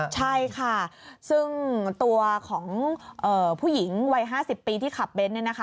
ใช่ค่ะซึ่งตัวของผู้หญิงวัย๕๐ปีที่ขับเน้น